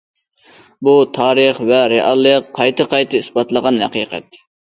بۇ، تارىخ ۋە رېئاللىق قايتا- قايتا ئىسپاتلىغان ھەقىقەت.